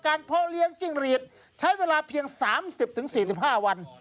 เพาะเลี้ยงจิ้งหรีดใช้เวลาเพียง๓๐๔๕วัน